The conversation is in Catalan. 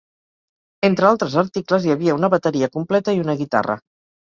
Entre altres articles, hi havia una bateria completa i una guitarra.